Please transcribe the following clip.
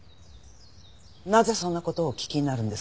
なぜそんな事をお聞きになるんですか？